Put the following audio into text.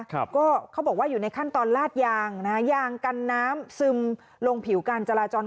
ครับก็เขาบอกว่าอยู่ในขั้นตอนลาดยางนะฮะยางกันน้ำซึมลงผิวการจราจร